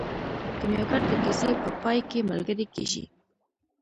کیمیاګر د کیسې په پای کې ملګری کیږي.